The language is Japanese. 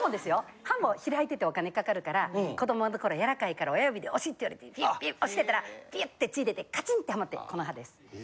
歯も開いててお金かかるから子供の頃やらかいから親指で押しって言われてギュッギュッ押してたらピュッて血出てカチンてハマって。